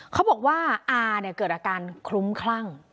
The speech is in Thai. เขาบอกว่าอาเนี่ยเกิดอาการคลุ้มคลั่ง